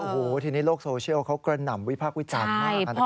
หรือว่าทีนี้โลกโซเชียลเค้ากระหน่ำวิภาพวิจารณ์มาก